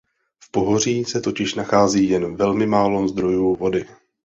V pohoří se totiž nachází jen velmi málo zdrojů vody.